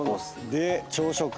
で朝食。